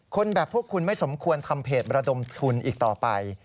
คนแบบพวกคุณไม่สมควรทำเพจระดมทุนอีกต่อไป